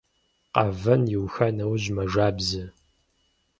Къэвэн иуха нэужь мэжабзэ.